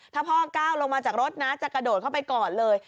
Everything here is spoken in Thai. ถ้าพ่อก้าวลงมาจากรถนะจะกระโดดเข้าไปก่อนเลย